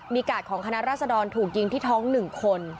มีกาดของคณะราษดรถูกยิงที่ท้อง๑คน